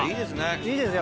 いいですね。